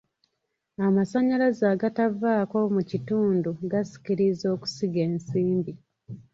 Amasannyalaze agatavaako mu kitundu gasikiriza okusiga ensimbi.